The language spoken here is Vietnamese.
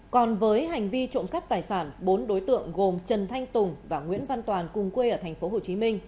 còn với hành vi trộm cắp tài sản bốn đối tượng gồm trần thanh tùng và nguyễn văn toàn cùng quê ở tp hcm